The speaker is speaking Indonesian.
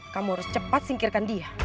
kamu harus cepat singkirkan dia